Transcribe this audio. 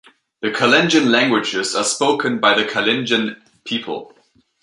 The Kalenjin languages are spoken by the Kalenjin people.